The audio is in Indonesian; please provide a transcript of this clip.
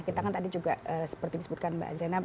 kita kan tadi juga seperti disebutkan mbak adrena